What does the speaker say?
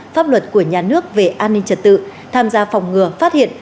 pháp luật của nhà nước về an ninh trật tự tham gia phòng ngừa phát hiện